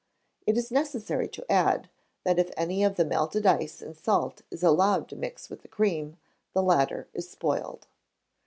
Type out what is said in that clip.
It is scarcely necessary to add, that if any of the melted ice and salt is allowed to mix with the cream, the latter is spoiled.